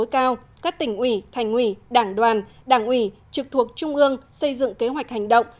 các tỉnh ủy thành ủy đảng đoàn đảng ủy trực thuộc trung ương xây dựng kế hoạch hành động